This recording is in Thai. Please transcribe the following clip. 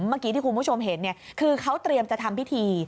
เมื่อกี้ที่คุณผู้ชมเห็นคือเขาเตรียมจะทำพิธี